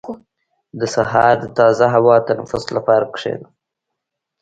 • د سهار د تازه هوا تنفس لپاره کښېنه.